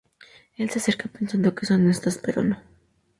Él se acerca pensando que son estas, pero no.